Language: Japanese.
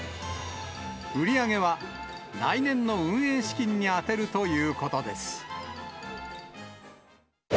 売り上げは、来年の運営資金に充てるということです。